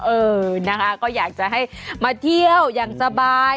เออนะคะก็อยากจะให้มาเที่ยวอย่างสบาย